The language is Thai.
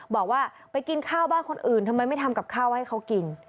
บอกว่าไปกินข้าวบ้านคนอื่นทำไมไม่ทำกับข้าวให้เขากิน